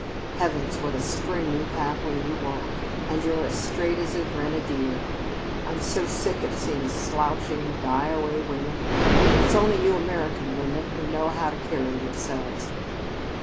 Heavens, what a spring you have when you walk! And you 're as straight as a grenadier. I'm so sick of seeing slouching, die away women! It's only you American women who know how to carry yourselves.